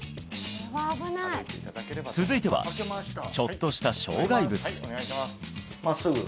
続いてはちょっとした障害物真っすぐ？